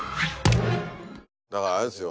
だからあれですよ